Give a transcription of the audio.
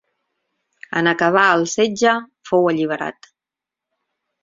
En acabar el setge, fou alliberat.